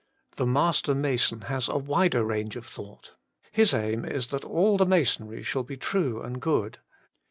The master mason has a wider range of thought : his aim is that all the masonry shall be true and good.